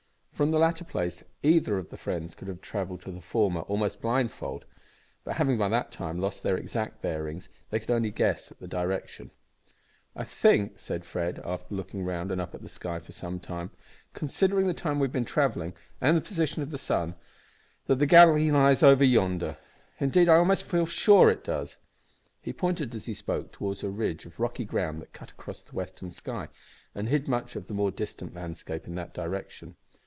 From the latter place either of the friends could have travelled to the former almost blindfold; but, having by that time lost their exact bearings, they could only guess at the direction. "I think," said Fred, after looking round and up at the sky for some time, "considering the time we have been travelling, and the position of the sun, that the gully lies over yonder. Indeed, I feel almost sure it does." He pointed, as he spoke, towards a ridge of rocky ground that cut across the western sky and hid much of the more distant landscape in that direction.